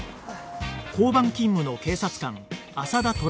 交番勤務の警察官朝田虎松